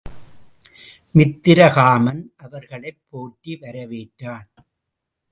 மித்திரகாமன் அவர்களைப் போற்றி வரவேற்றான்.